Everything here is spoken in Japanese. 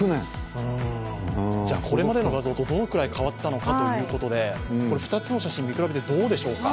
これまでの画像とどのくらい変わったのかということで２つの写真見比べてどうでしょうか。